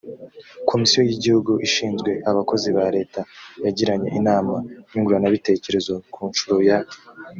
komisiyo y igihugu ishinzwe abakozi ba leta yagiranye inama nyunguranabiterekerezo ku nshuro ya